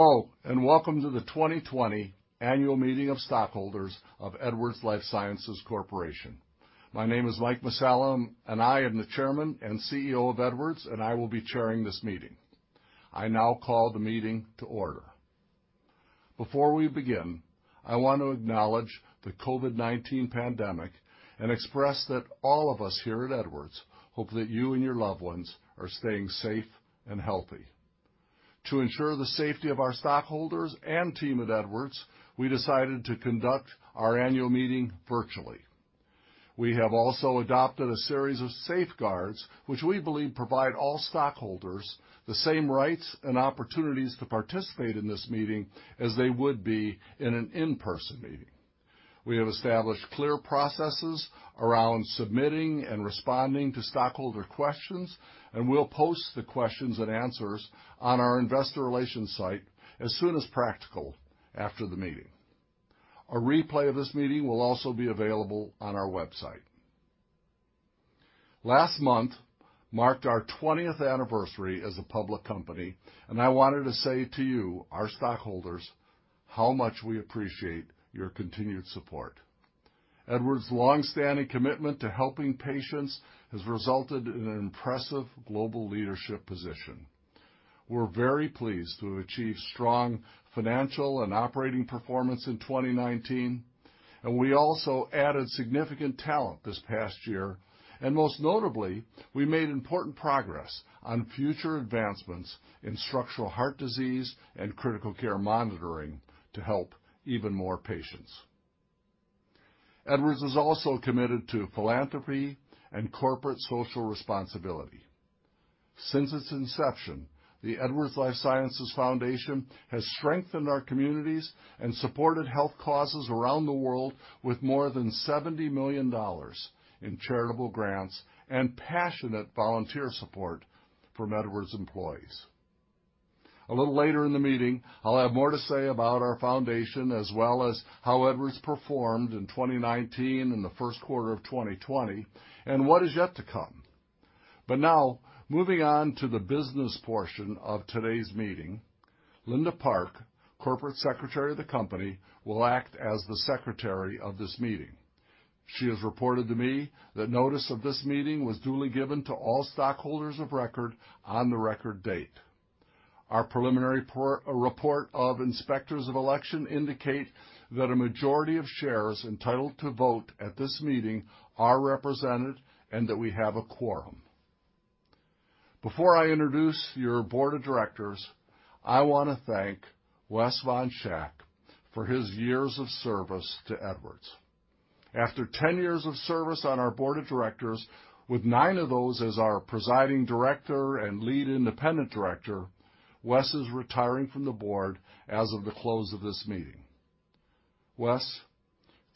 Hello, and welcome to the 2020 annual meeting of stockholders of Edwards Lifesciences Corporation. My name is Mike Mussallem, and I am the Chairman and CEO of Edwards, and I will be Chairing this meeting. I now call the meeting to order. Before we begin, I want to acknowledge the COVID-19 pandemic and express that all of us here at Edwards hope that you and your loved ones are staying safe and healthy. To ensure the safety of our stockholders and team at Edwards, we decided to conduct our annual meeting virtually. We have also adopted a series of safeguards, which we believe provide all stockholders the same rights and opportunities to participate in this meeting as they would be in an in-person meeting. We have established clear processes around submitting and responding to stockholder questions, and we'll post the questions and answers on our investor relations site as soon as practical after the meeting. A replay of this meeting will also be available on our website. Last month marked our 20th anniversary as a public company, and I wanted to say to you, our stockholders, how much we appreciate your continued support. Edwards' longstanding commitment to helping patients has resulted in an impressive global leadership position. We're very pleased to achieve strong financial and operating performance in 2019, and we also added significant talent this past year, and most notably, we made important progress on future advancements in structural heart disease and critical care monitoring to help even more patients. Edwards is also committed to philanthropy and corporate social responsibility. Since its inception, the Edwards Lifesciences Foundation has strengthened our communities and supported health causes around the world with more than $70 million in charitable grants and passionate volunteer support from Edwards employees. A little later in the meeting, I'll have more to say about our foundation as well as how Edwards performed in 2019 and the first quarter of 2020, and what is yet to come. Now, moving on to the business portion of today's meeting, Linda Park, Corporate Secretary of the company, will act as the secretary of this meeting. She has reported to me that notice of this meeting was duly given to all stockholders of record on the record date. Our preliminary report of inspectors of election indicates that a majority of shares entitled to vote at this meeting are represented and that we have a quorum. Before I introduce your Board of directors, I want to thank Wes von Schack for his years of service to Edwards. After 10 years of service on our Board of directors, with nine of those as our presiding director and lead independent director, Wes is retiring from the Board as of the close of this meeting. Wes,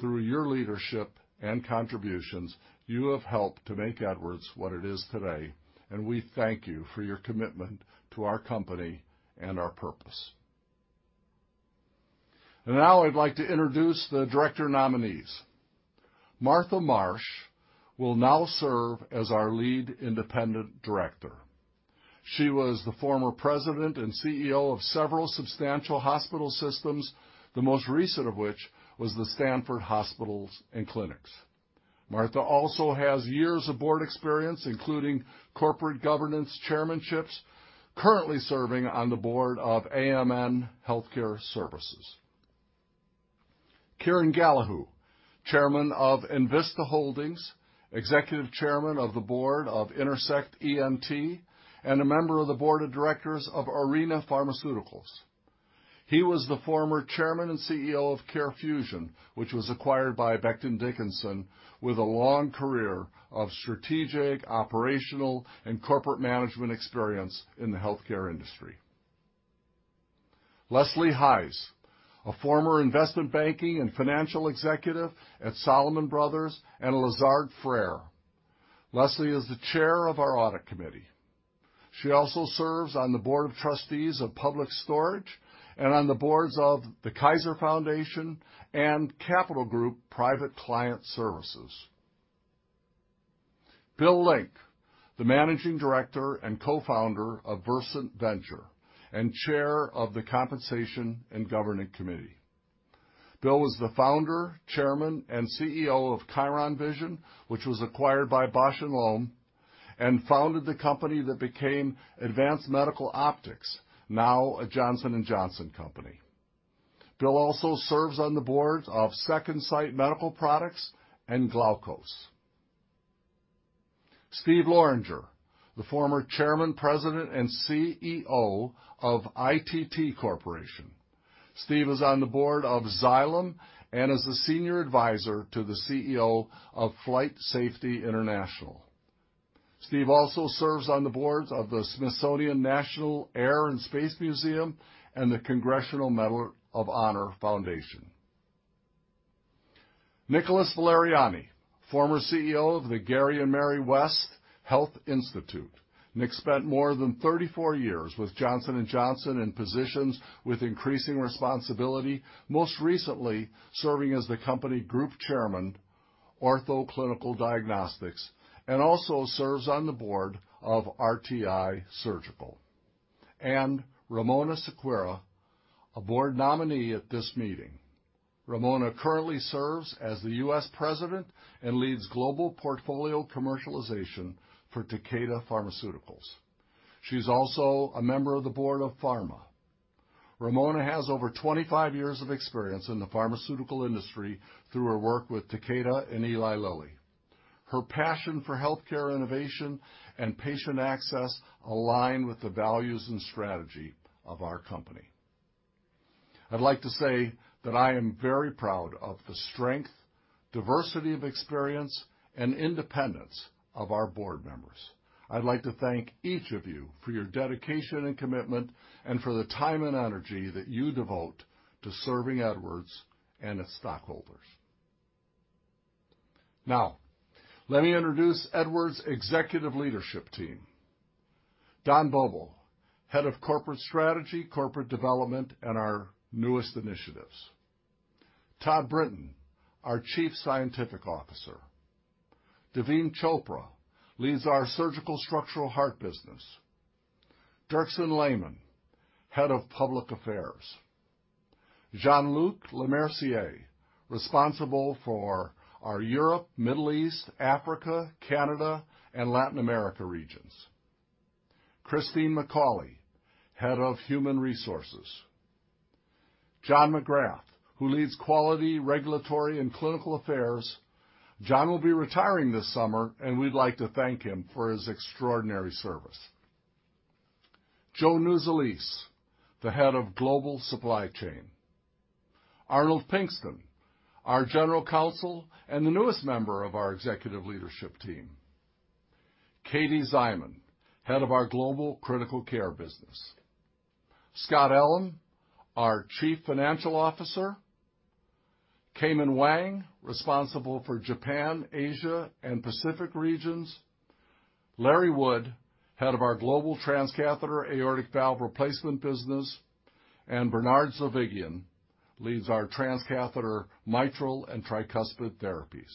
through your leadership and contributions, you have helped to make Edwards what it is today; we thank you for your commitment to our company and our purpose. Now I'd like to introduce the director nominees. Martha Marsh will now serve as our Lead Independent Director. She was the former President and CEO of several substantial hospital systems, the most recent of which was the Stanford Hospital & Clinics. Martha also has years of Board experience, including Corporate Governance Chairmanships, and is currently serving on the Board of AMN Healthcare Services. Kieran Gallahue, Chairman of Envista Holdings, Executive Chairman of the Board of Intersect ENT, and a Member of the Board of directors of Arena Pharmaceuticals. He was the former Chairman and CEO of CareFusion, which was acquired by Becton, Dickinson and Company, with a long career of strategic, operational, and Corporate Management experience in the healthcare industry. Leslie Heisz, a former Investment Banking and Financial Executive at Salomon Brothers and Lazard Frères. Leslie is the Chair of our Audit Committee. She also serves on the Board of Trustees of Public Storage and on the Boards of the Kaiser Foundation and Capital Group Private Client Services. Bill Link, the Managing Director and Co-Founder of Versant Ventures and Chair of the Compensation and Governing Committee. Bill was the founder, Chairman, and CEO of Chiron Vision, which was acquired by Bausch + Lomb, and founded the company that became Advanced Medical Optics, now a Johnson & Johnson company. Bill also serves on the Boards of Second Sight Medical Products and Glaukos. Steve Loranger, the former Chairman, President, and CEO of ITT Corporation. Steve is on the Board of Xylem and is the senior advisor to the CEO of FlightSafety International. Steve also serves on the Boards of the Smithsonian's National Air and Space Museum and the Congressional Medal of Honor Foundation. Nicholas Valeriani, former CEO of the Gary and Mary West Health Institute. Nick spent more than 34 years with Johnson & Johnson in positions with increasing responsibility, most recently serving as the Company Group Chairman, Ortho Clinical Diagnostics, and also serves on the Board of RTI Surgical. Ramona Sequeira, a Board nominee at this meeting. Ramona currently serves as the U.S. President and leads global portfolio commercialization for Takeda Pharmaceuticals. She's also a member of the Board of PhRMA. Ramona has over 25 years of experience in the pharmaceutical industry through her work with Takeda and Eli Lilly. Her passion for healthcare innovation and patient access align with the values and strategy of our company. I'd like to say that I am very proud of the strength, diversity of experience, and independence of our Board members. I'd like to thank each of you for your dedication and commitment and for the time and energy that you devote to serving Edwards and its stockholders. Let me introduce Edwards' executive leadership team. Don Bobo, head of corporate strategy, corporate development, and our newest initiatives. Todd Brinton, our chief scientific officer. Daveen Chopra Leads our Surgical Structural Heart business. Dirksen Lehman, Head of Public Affairs. Jean-Luc Lemercier, responsible for our Europe, Middle East, Africa, Canada, and Latin America regions. Christine McCauley, Head of Human Resources. John McGrath, who Leads Quality, Regulatory, and Clinical Affairs. John will be retiring this summer. We'd like to thank him for his extraordinary service. Joe Nuzzolese, the Head of Global Supply Chain. Arnold Pinkston, our General Counsel and the newest member of our Executive Leadership team. Katie Szyman, Head of our Global Critical Care business. Scott Ullem, our Chief Financial Officer. Huimin Wang, responsible for Japan, Asia, and Pacific regions. Larry Wood, Head of our Global Transcatheter Aortic Valve Replacement business, and Bernard Zovighian lead our Transcatheter Mitral and Tricuspid Therapies.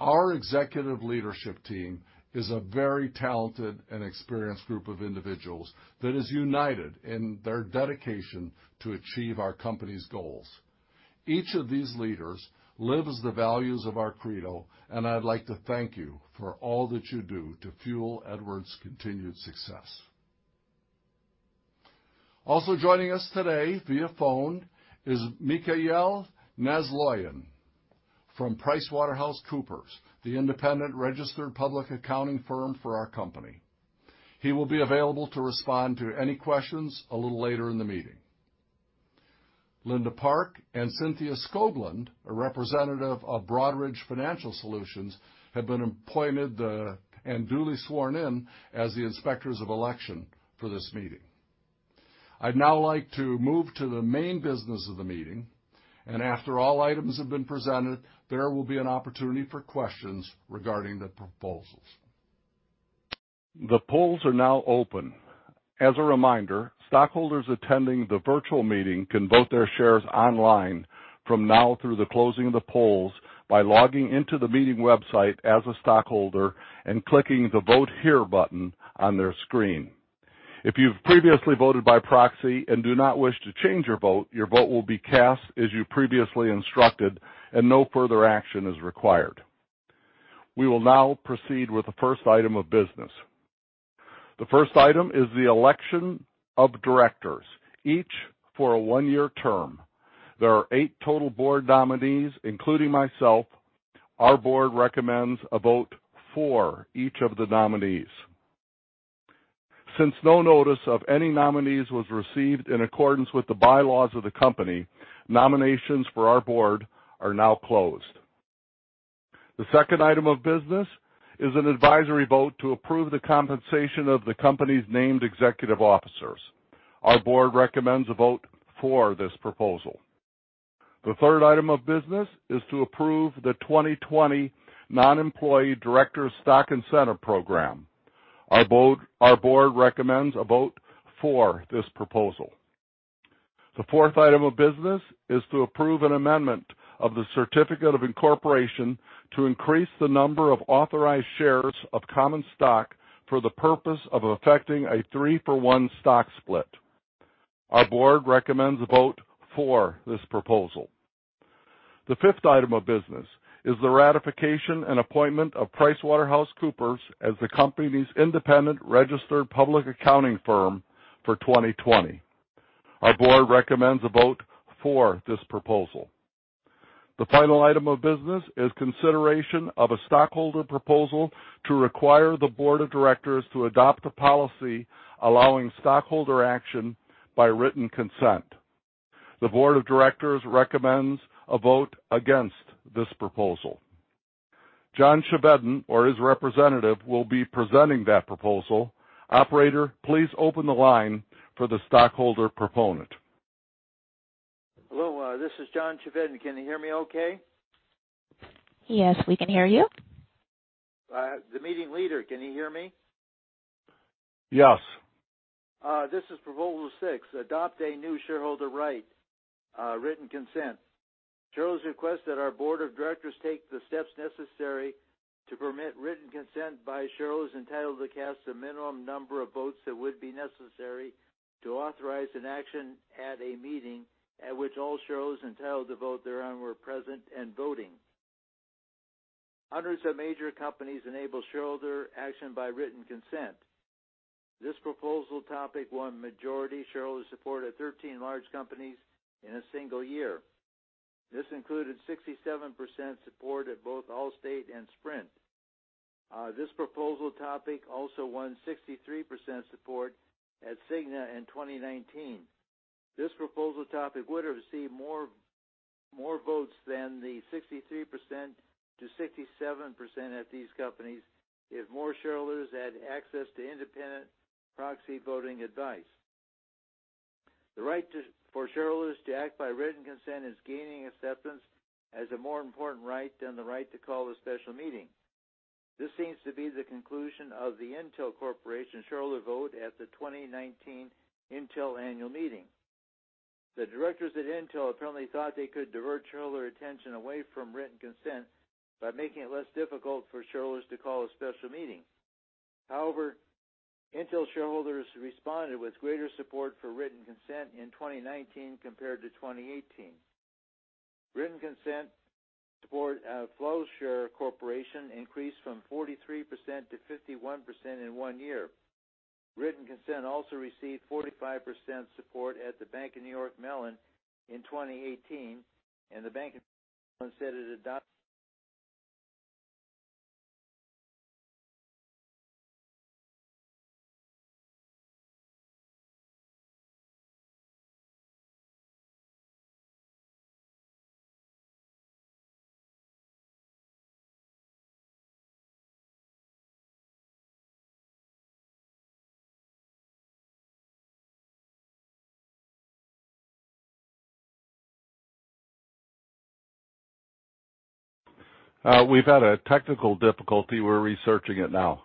Our executive leadership team is a very talented and experienced group of individuals that is united in their dedication to achieving our company's goals. Each of these leaders lives the values of our credo, and I'd like to thank you for all that you do to fuel Edwards' continued success. Also joining us today via phone is Mikael Nasloyan from PricewaterhouseCoopers, the independent registered public accounting firm for our company. He will be available to respond to any questions a little later in the meeting. Linda Park and Cynthia Skogland, a representative of Broadridge Financial Solutions, have been appointed and duly sworn in as the inspectors of election for this meeting. I'd now like to move to the main business of the meeting, and after all items have been presented, there will be an opportunity for questions regarding the proposals. The polls are now open. As a reminder, stockholders attending the virtual meeting can vote their shares online from now through the closing of the polls by logging into the meeting website as a stockholder and clicking the Vote Here button on their screen. If you've previously voted by proxy and do not wish to change your vote, your vote will be cast as you previously instructed, and no further action is required. We will now proceed with the first item of business. The first item is the election of Directors, each for a one-year term. There are eight total Board nominees, including myself. Our Board recommends a vote for each of the nominees. Since no notice of any nominees was received in accordance with the bylaws of the company, nominations for our Board are now closed. The second item of business is an advisory vote to approve the compensation of the company's named executive officers. Our Board recommends a vote for this proposal. The third item of business is to approve the 2020 Nonemployee Directors Stock Incentive Program. Our Board recommends a vote for this proposal. The fourth item of business is to approve an amendment of the certificate of incorporation to increase the number of authorized shares of common stock for the purpose of effecting a three-for-one stock split. Our Board recommends a vote for this proposal. The fifth item of business is the ratification and appointment of PricewaterhouseCoopers as the company's independent registered public accounting firm for 2020. Our Board recommends a vote for this proposal. The final item of business is consideration of a stockholder proposal to require the Board of directors to adopt a policy allowing stockholder action by written consent. The Board of directors recommends a vote against this proposal. John Chevedden or his representative will be presenting that proposal. Operator, please open the line for the stockholder proponent. Hello, this is John Chevedden. Can you hear me okay? Yes, we can hear you. The meeting leader, can you hear me? Yes. This is Proposal 6, adopting a new shareholder right, written consent. Shareholders request that our Board of directors take the steps necessary to permit written consent by shareholders entitled to cast the minimum number of votes that would be necessary to authorize an action at a meeting at which all shareholders entitled to vote therein were present and voting. Hundreds of major companies enable shareholder action by written consent. This proposal topic won majority shareholder support at 13 large companies in a single year. This included 67% support at both Allstate and Sprint. This proposal topic also won 63% support at Cigna in 2019. This proposal topic would have received more votes than the 63%-67% at these companies if more shareholders had access to independent proxy voting advice. The right for shareholders to act by written consent is gaining acceptance as a more important right than the right to call a special meeting. This seems to be the conclusion of the Intel Corporation shareholder vote at the 2019 Intel annual meeting. The directors at Intel apparently thought they could divert shareholder attention away from written consent by making it less difficult for shareholders to call a special meeting. Intel shareholders responded with greater support for written consent in 2019 compared to 2018. Written consent support at Flowserve Corporation increased from 43%-51% in one year. Written consent also received 45% support at the Bank of N.Y. Mellon in 2018, the Bank of N.Y. Mellon said it had. We've had a technical difficulty. We're researching it now.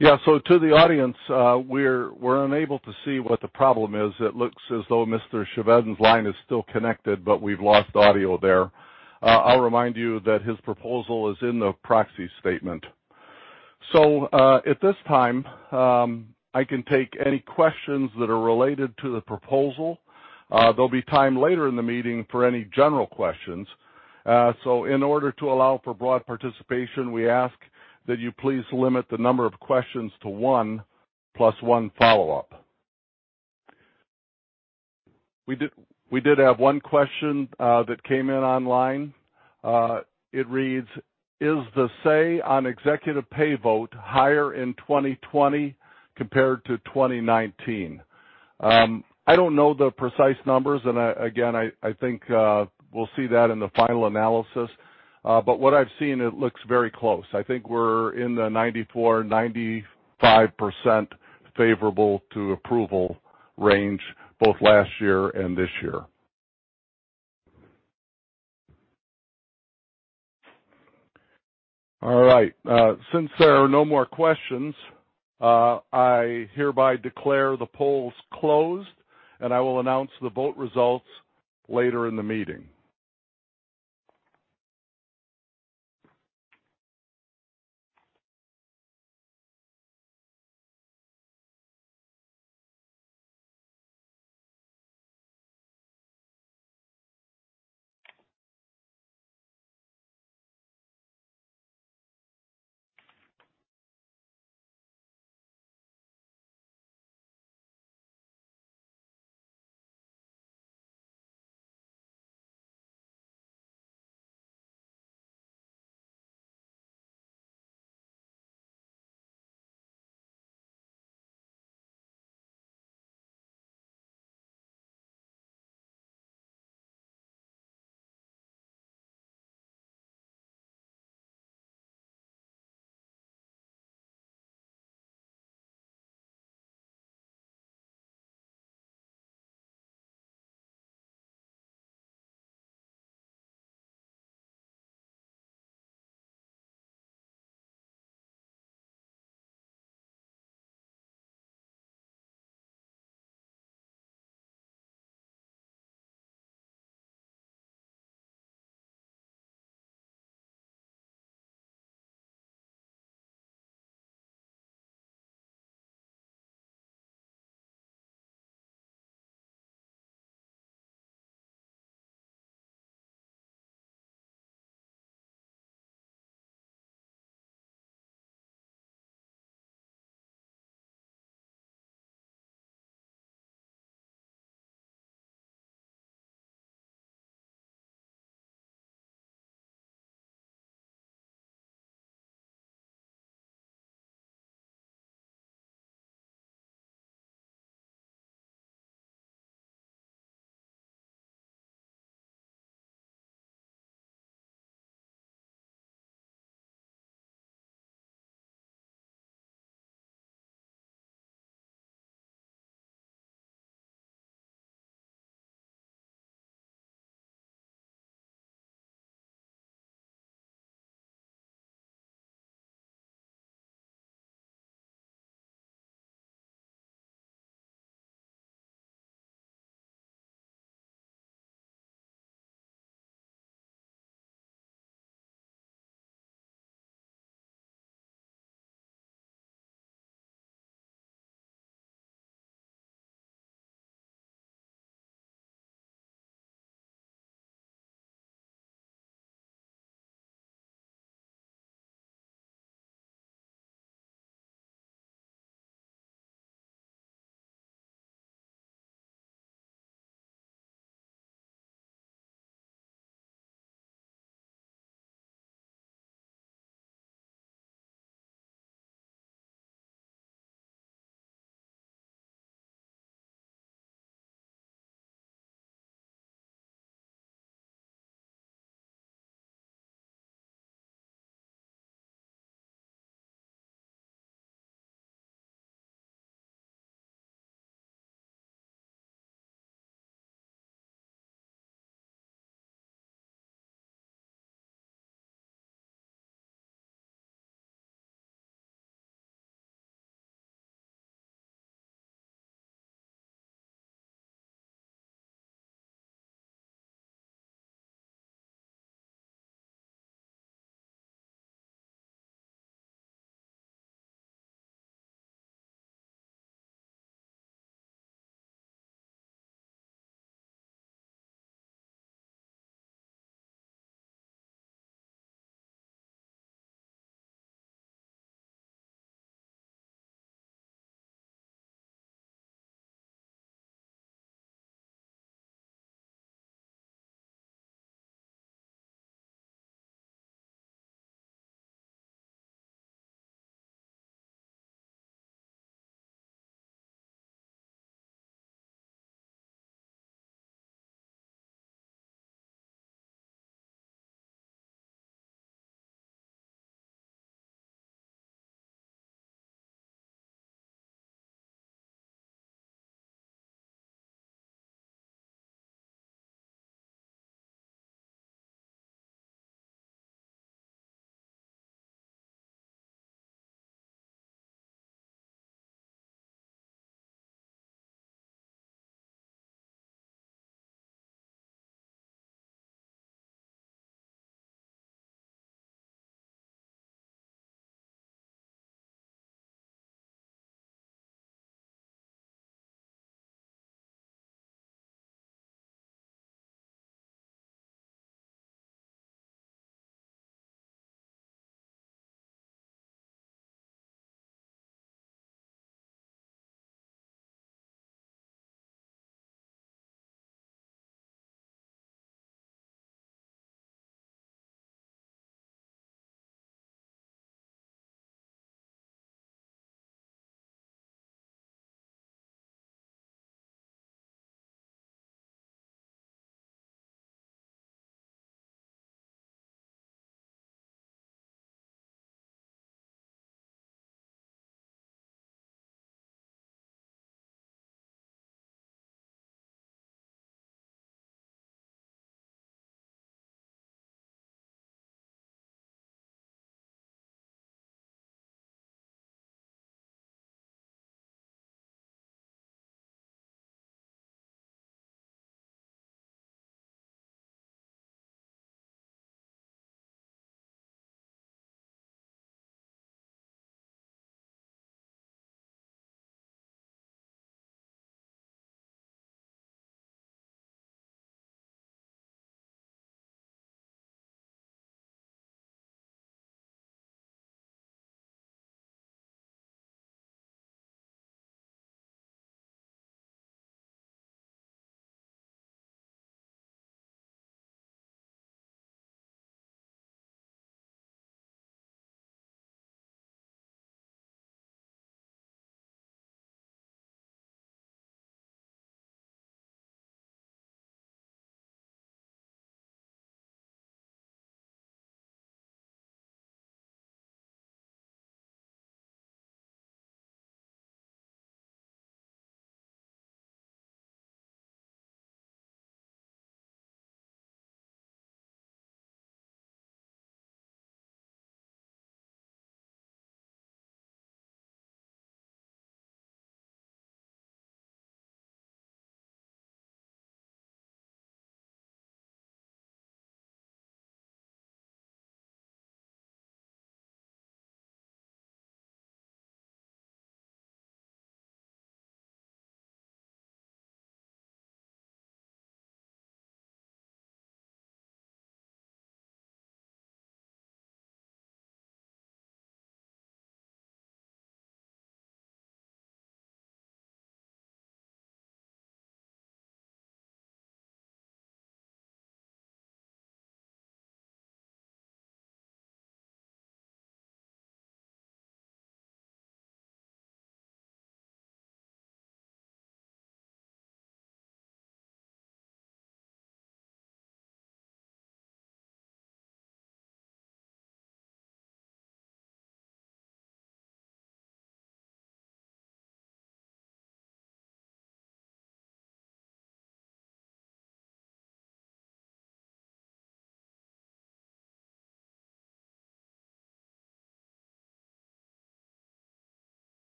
To the audience, we're unable to see what the problem is. It looks as though Mr. Chevedden's line is still connected, but we've lost audio there. I'll remind you that his proposal is in the proxy statement. At this time, I can take any questions that are related to the proposal. There'll be time later in the meeting for any general questions. In order to allow for broad participation, we ask that you please limit the number of questions to one plus one follow-up. We did have one question that came in online. It reads, Is the say on executive pay vote higher in 2020 compared to 2019? I don't know the precise numbers, and again, I think we'll see that in the final analysis. What I've seen, it looks very close. I think we're in the 94%-95% favorable-to-approval range, both last year and this year. All right. Since there are no more questions, I hereby declare the polls closed, and I will announce the vote results later in the meeting.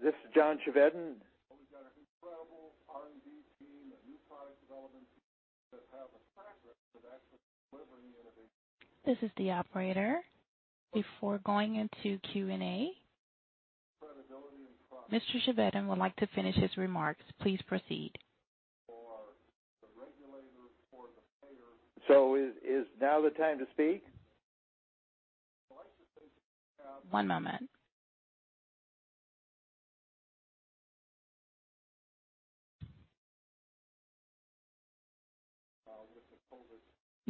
This is John Chevedden. This is the operator. Before going into Q&A. Credibility and trust. Mr. Chevedden would like to finish his remarks. Please proceed. Is now the time to speak? One moment.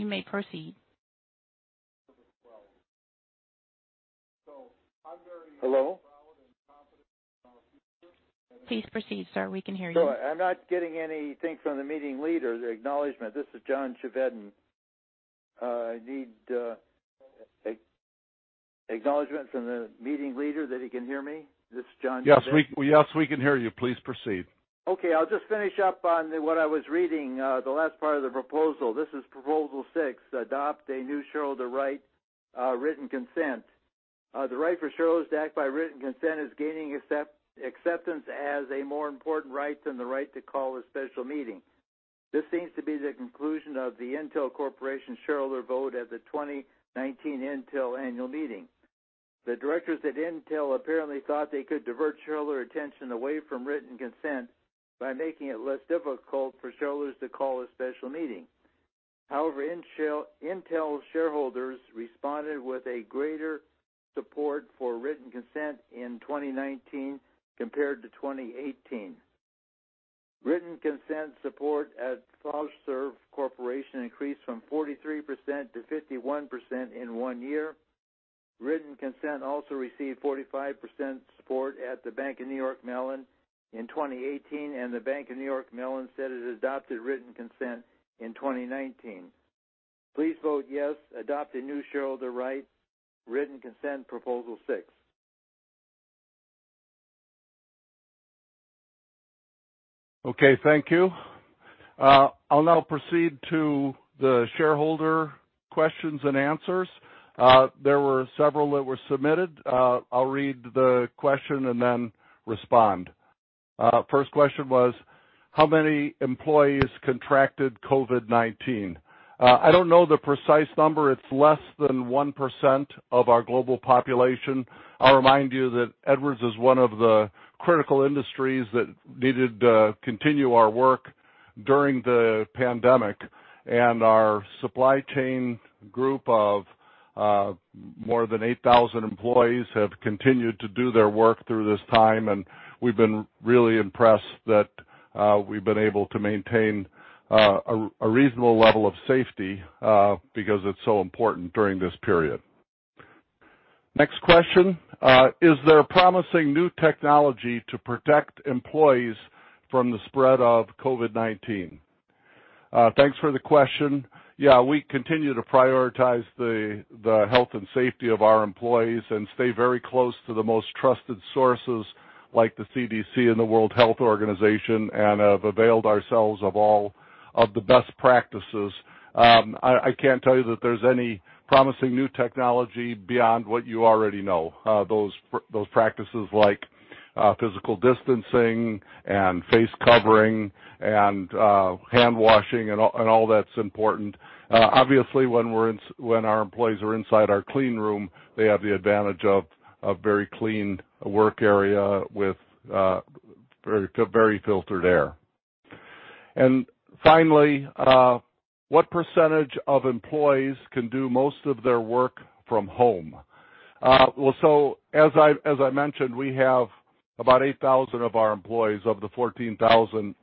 You may proceed. Well. Hello? Please proceed, sir. We can hear you. Sorry. I'm not getting anything from the meeting leader, the acknowledgment. This is John Chevedden. I need acknowledgement from the meeting leader that he can hear me. This is John Chevedden. Yes, we can hear you. Please proceed. Okay, I'll just finish up on what I was reading, the last part of the proposal. This is Proposal 6, adopting a new shareholder right, written consent. The right for shareholders to act by written consent is gaining acceptance as a more important right than the right to call a special meeting. This seems to be the conclusion of the Intel Corporation shareholder vote at the 2019 Intel annual meeting. The directors at Intel apparently thought they could divert shareholder attention away from written consent by making it less difficult for shareholders to call a special meeting. However, Intel shareholders responded with a greater support for written consent in 2019 compared to 2018. Written consent support at Flowserve Corporation increased from 43%-51% in one year. Written consent also received 45% support at the Bank of N.Y. Mellon in 2018. The Bank of N.Y. Mellon said it adopted written consent in 2019. Please vote yes. Adopt a new shareholder right written consent, Proposal 6. Okay, thank you. I'll now proceed to the shareholder questions and answers. There were several that were submitted. I'll read the question and then respond. First question was: how many employees contracted COVID-19? I don't know the precise number. It's less than 1% of our global population. I'll remind you that Edwards is one of the critical industries that needed to continue our work during the pandemic. Our supply chain group of more than 8,000 employees has continued to do their work through this time, and we've been really impressed that we've been able to maintain a reasonable level of safety because it's so important during this period. Next question: is there promising new technology to protect employees from the spread of COVID-19? Thanks for the question. Yeah, we continue to prioritize the health and safety of our employees and stay very close to the most trusted sources like the CDC and the World Health Organization and have availed ourselves of all of the best practices. I can't tell you that there's any promising new technology beyond what you already know. Those practices like physical distancing and face covering and hand washing and all that's important. Obviously, when our employees are inside our clean room, they have the advantage of a very clean work area with very filtered air. Finally, what percentage of employees can do most of their work from home? As I mentioned, we have about 8,000 of our employees, of the 14,000,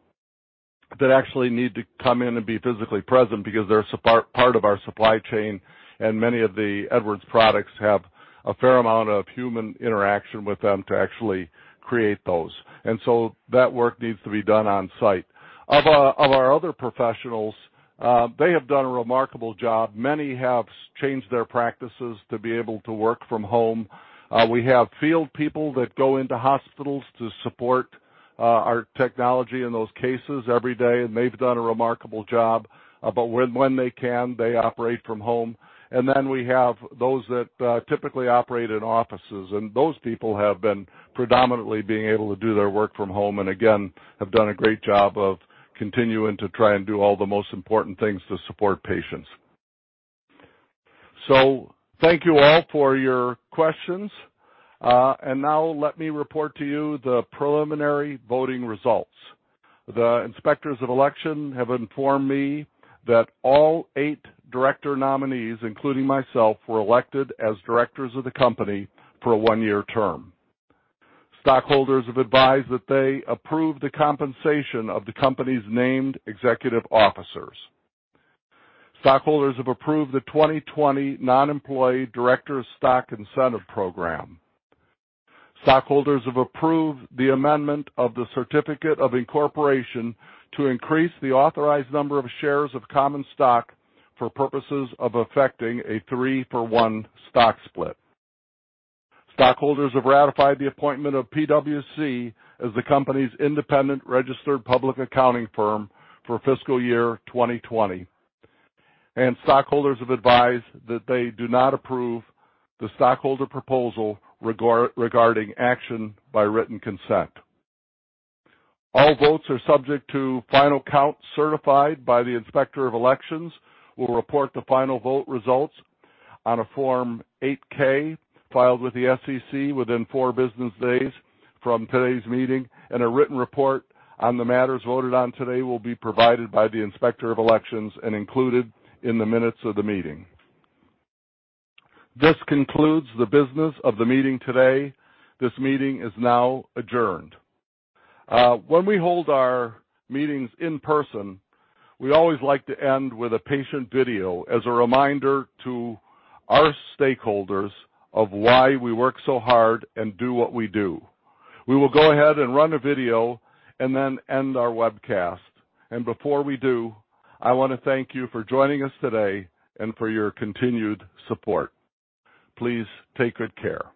that actually need to come in and be physically present because they're part of our supply chain, and many of the Edwards products have a fair amount of human interaction with them to actually create those. That work needs to be done on site. Of our other professionals, they have done a remarkable job. Many have changed their practices to be able to work from home. We have field people that go into hospitals to support our technology in those cases every day, and they've done a remarkable job. When they can, they operate from home. We have those that typically operate in offices; those people have been predominantly able to do their work from home and have done a great job of continuing to try and do all the most important things to support patients. Thank you all for your questions. Let me report to you the preliminary voting results. The Inspectors of Election have informed me that all eight director nominees, including myself, were elected as Directors of the company for a one-year term. Stockholders have advised that they approve the compensation of the company's named executive officers. Stockholders have approved the 2020 Nonemployee Directors Stock Incentive Program. Stockholders have approved the amendment of the certificate of incorporation to increase the authorized number of shares of common stock for purposes of effecting a three-for-one stock split. Stockholders have ratified the appointment of PwC as the company's independent registered public accounting firm for fiscal year 2020. Stockholders have advised that they do not approve the stockholder proposal regarding action by written consent. All votes are subject to a final count certified by the Inspector of Elections. We'll report the final vote results on a Form 8-K filed with the SEC within four business days from today's meeting, and a written report on the matters voted on today will be provided by the Inspector of Elections and included in the minutes of the meeting. This concludes the business of the meeting today. This meeting is now adjourned. When we hold our meetings in person, we always like to end with a patient video as a reminder to our stakeholders of why we work so hard and do what we do. We will go ahead and run a video and then end our webcast. Before we do, I want to thank you for joining us today and for your continued support. Please take good care.